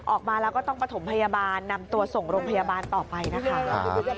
ออกมาแล้วก็ต้องประถมพยาบาลนำตัวส่งโรงพยาบาลต่อไปนะคะ